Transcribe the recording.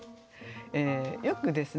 よくですね